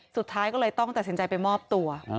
สุดท้ายก็เลยต้องตัดสินใจไปมอบตัว